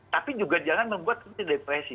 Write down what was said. tapi juga jangan membuat kita depresi